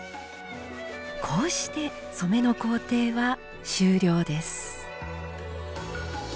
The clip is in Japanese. こうして染めの工程は終了です